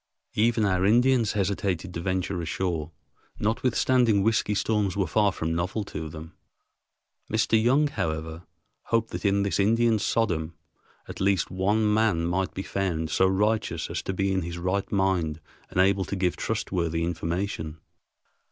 Even our Indians hesitated to venture ashore, notwithstanding whiskey storms were far from novel to them. Mr. Young, however, hoped that in this Indian Sodom at least one man might be found so righteous as to be in his right mind and able to give trustworthy information.